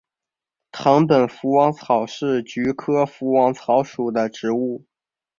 藤本福王草是菊科福王草属的植物。